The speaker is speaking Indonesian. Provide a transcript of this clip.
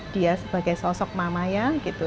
dia sebagai sosok mama ya